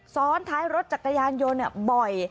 ซ้อนท้ายรถจักรยานยนต์บ่อย